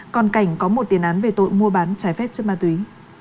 còn cảnh có một tiền án về tội mua bán trái phép chất ma túy